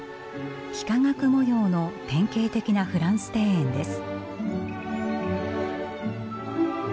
幾何学模様の典型的なフランス庭園です。